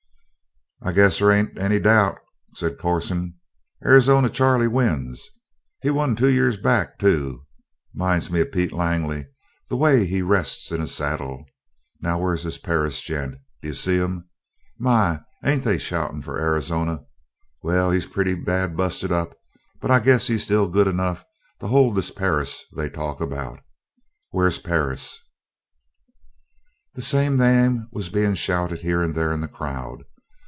"I guess they ain't any doubt," said Corson. "Arizona Charley wins. He won two years back, too. Minds me of Pete Langley, the way he rests in a saddle. Now where's this Perris gent? D'you see him? My, ain't they shouting for Arizona! Well, he's pretty bad busted up, but I guess he's still good enough to hold this Perris they talk about. Where's Perris?" The same name was being shouted here and there in the crowd.